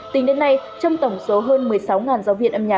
tính đến nay trong tổng số hơn một mươi sáu giáo viên